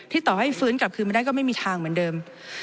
ต่อให้ฟื้นกลับคืนมาได้ก็ไม่มีทางเหมือนเดิม